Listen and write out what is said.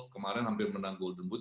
kemarin hampir menang golden boot